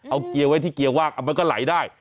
เอาเกียร์ไว้ที่เกียร์ว่างมันก็ไหลได้